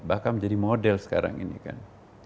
bahkan menjadi model sekarang ini kan